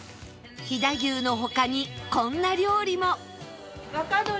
飛騨牛の他にこんな料理も